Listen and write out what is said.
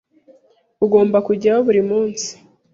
Ugomba kujyayo buri munsi?